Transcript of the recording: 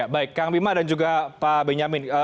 baik kang bima dan juga pak benyamin